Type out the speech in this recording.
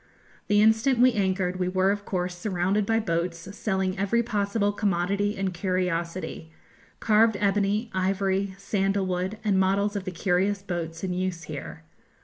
The instant we anchored we were of course surrounded by boats selling every possible commodity and curiosity, carved ebony, ivory, sandal wood, and models of the curious boats in use here.